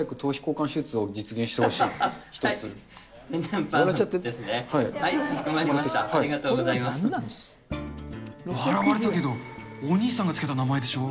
かしこま笑われたけど、お兄さんが付けた名前でしょ？